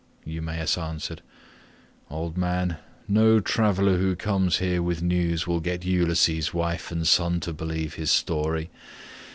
Eumaeus answered, "Old man, no traveller who comes here with news will get Ulysses' wife and son to believe his story.